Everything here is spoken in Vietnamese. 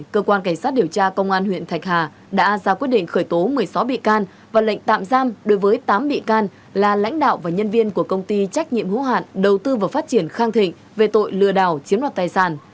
cơ quan cảnh sát điều tra công an huyện thạch hà đã ra quyết định khởi tố một mươi sáu bị can và lệnh tạm giam đối với tám bị can là lãnh đạo và nhân viên của công ty trách nhiệm hữu hạn đầu tư và phát triển khang thịnh về tội lừa đảo chiếm đoạt tài sản